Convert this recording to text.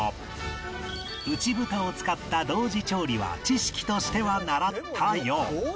内蓋を使った同時調理は知識としては習ったよう